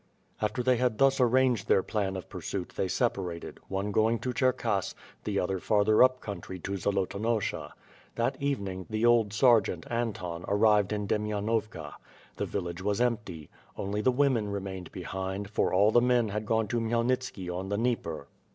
After they had thus arranged their plan of pursuit, they separated, one going to Cherkass, the other farther up country to Zolotonosha. That evening, the old sergeant, Anton ar rived in Demianovka. The village was empty. Only the women remained behind, for all the men had gone to Khmyel nitski on the Dnieper.